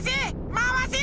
まわせ！